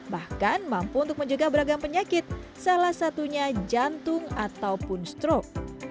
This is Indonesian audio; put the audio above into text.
bahkan mampu untuk menjaga beragam penyakit salah satunya jantung ataupun strok